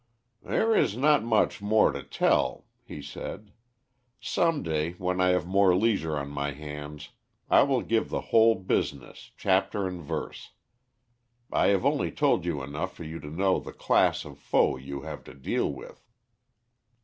"There is not much more to tell," he said. "Some day, when I have more leisure on my hands, I will give the whole business, chapter and verse. I have only told you enough for you to know the class of foe you have to deal with.